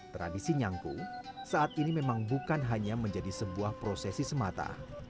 tradisi nyangku saat ini memang bukan hanya menjadi sebuah prosesi semata